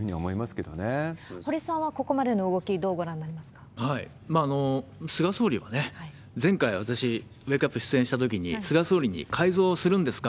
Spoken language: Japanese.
けれ堀さんはここまでの動き、ど菅総理は前回、私ウェークアップ出演したときに、菅総理に改造するんですか？